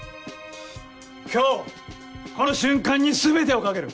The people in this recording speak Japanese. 今日この瞬間に全てをかける。